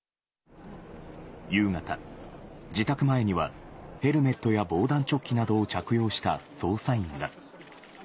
夕方、自宅前には、ヘルメットや防弾チョッキを着用した捜査員が。